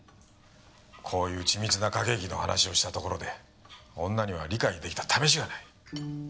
こういう緻密な駆け引きの話をしたところで女には理解出来たためしがない。